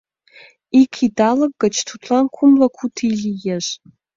Ик идалык гыч тудлан кумло куд ий лиеш.